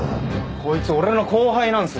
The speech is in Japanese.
こいつ俺の後輩なんすよ。